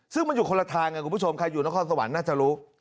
ซึ่งมันอยู่คนละทางคุณผู้ชมใครอยู่นครสวรรค์น่าจะรู้